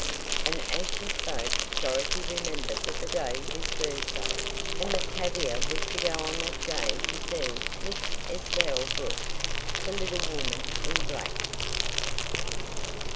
And, as she spoke, Dorothy remembered that the day was Thursday, and that Tavia was to go on that day to see Miss Estelle Brooks, the little woman in black.